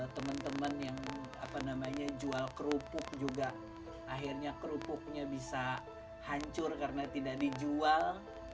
teman teman yang jual kerupuk juga akhirnya kerupuknya bisa hancur karena tidak dijual